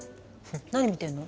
何見てるの？